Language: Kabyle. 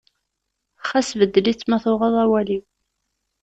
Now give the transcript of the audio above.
Xas beddel-itt ma tuɣeḍ awal-iw.